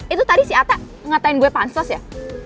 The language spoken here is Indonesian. itu tadi si ata ngatain gue pantsos ya